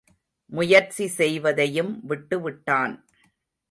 முயற்சி செய்வதையும் விட்டுவிட்டான்.